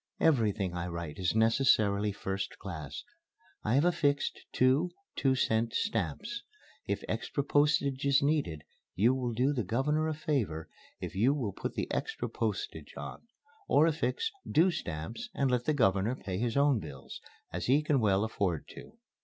Everything I write is necessarily first class. I have affixed two two cent stamps. If extra postage is needed you will do the Governor a favor if you will put the extra postage on. Or affix 'due' stamps, and let the Governor pay his own bills, as he can well afford to.